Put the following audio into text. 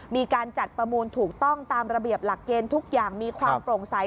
มีการจัดประมูลถูกต้องตามระเบียบหลักเกณฑ์ทุกอย่างมีความโปร่งใส